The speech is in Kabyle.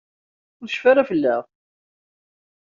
Ur tecfi ara fell-aɣ.